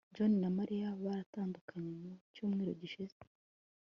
John na Mariya baratandukanye mu cyumweru gishize